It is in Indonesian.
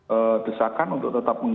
ee desakan untuk tetap